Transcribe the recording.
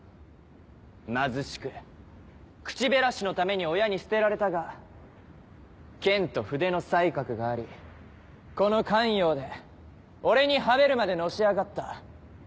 貧しく口減らしのために親に捨てられたが剣と筆の才覚がありこの咸陽で俺にはべるまでのし上がった。